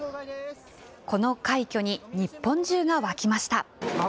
この快挙に日本中が沸きました。